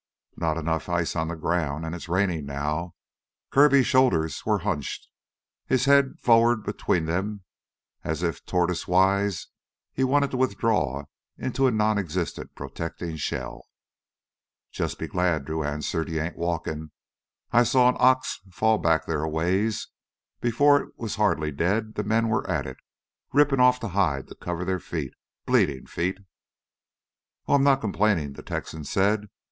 "Not enough ice on the ground; it's rainin' it now!" Kirby's shoulders were hunched, his head forward between them as if, tortoisewise, he wanted to withdraw into a nonexistent protecting shell. "Just be glad," Drew answered, "you ain't walkin'. I saw an ox fall back there a ways. Before it was hardly dead the men were at it, rippin' off the hide to cover their feet bleedin' feet!" "Oh, I'm not complainin'," the Texan said.